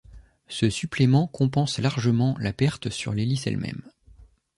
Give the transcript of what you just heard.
Ce supplément compense largement la perte sur l'hélice elle-même.